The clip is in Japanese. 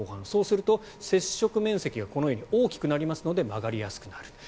そうすると接触面積がこのように大きくなりますので曲がりやすくなる。